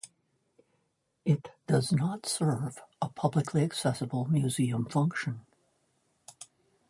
It does not serve a publicly accessible museum function.